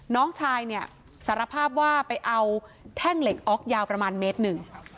น้องชายเนี่ยสารภาพว่าไปเอาแท่งเหล็กออกยาวประมาณเมตรหนึ่ง